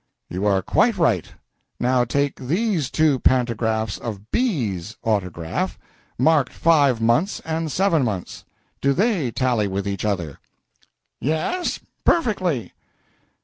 "You are quite right. Now take these two pantographs of B's autograph, marked five months and seven months. Do they tally with each other?" "Yes perfectly."